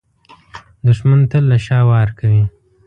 دښمن تل له شا وار کوي